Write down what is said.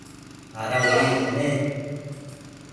Ada ubi bune?